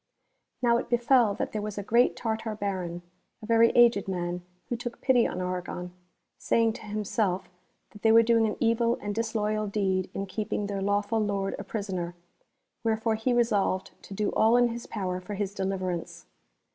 Now it betel that there was a great Tartar Baron, a very aged man, who took pity on Argon, saying to himself that they were doing an evil and disloyal deed in keeping their lawful lord a prisoner, wherefore he resolved to do all in his power for his deliverance.